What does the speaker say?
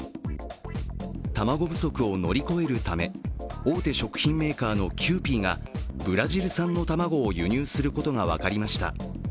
卵不足を乗り越えるため、大手食品メーカーのキユーピーがブラジル産の卵を輸入することが分かりました。